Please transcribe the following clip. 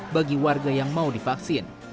bagi warga yang mau divaksin